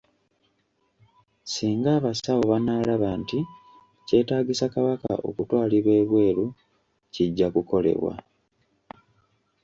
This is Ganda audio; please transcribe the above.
Singa abasawo banaalaba nti kyetaagisa Kabaka okutwalibwa ebweru, kijja kukolebwa